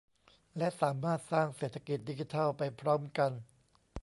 และสามารถสร้างเศรษฐกิจดิจิทัลไปพร้อมกัน